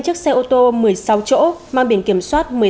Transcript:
chiếc xe ô tô một mươi sáu chỗ mang biển kiểm soát